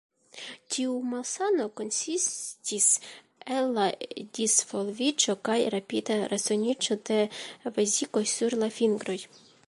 Tiu malsano konsistis el la disvolviĝo kaj rapida resaniĝo de vezikoj sur la fingroj.